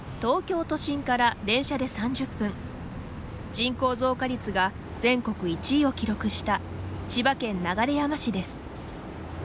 人口増加率が全国１位を記録した千葉県流山市です。